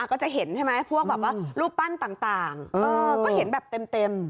ก็จะเห็นใช่ไหมพวกแบบว่ารูปปั้นต่างก็เห็นแบบเต็ม